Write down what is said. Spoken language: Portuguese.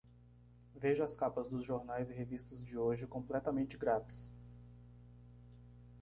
Veja as capas dos jornais e revistas de hoje completamente grátis.